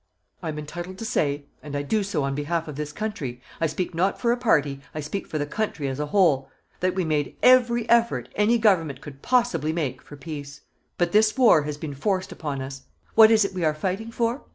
I am entitled to say, and I do so on behalf of this country I speak not for a party, I speak for the country as a whole that we made every effort any Government could possibly make for peace. But this war has been forced upon us. What is it we are fighting for?